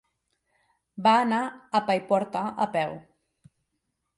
Va anar a Paiporta a peu.